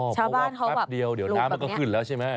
เพราะว่าแป๊บเดียวเดี๋ยวน้ำมันก็ขึ้นแล้วใช่ไหม